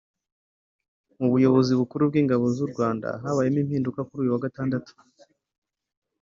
Mu buyobozi bukuru bw’ingabo z’u Rwanda habayemo impinduka kuri uyu wa Gatandatu